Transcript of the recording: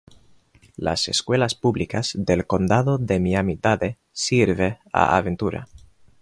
Las Escuelas Públicas del Condado de Miami-Dade sirve a Aventura.